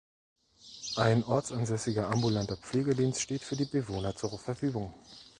Ein ortsansässiger Ambulanter Pflegedienst steht für die Bewohner zur Verfügung.